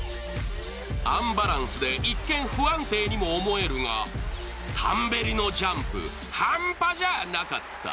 アンバランスで一見、不安定にも思えるが、タンベリのジャンプ、半端じゃなかった。